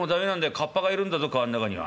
カッパがいるんだぞ川ん中には」。